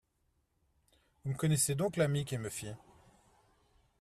«, Vous me connaissez donc, l'ami ? qu'il me fit.